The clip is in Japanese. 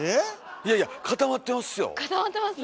いやいや固まってます。